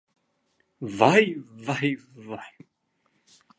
Vai, vai, vai!